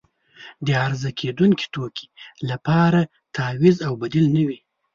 د عرضه کیدونکې توکي لپاره تعویض او بدیل نه وي.